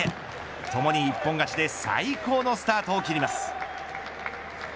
ともに一本勝ちで最高のスタートを切ります。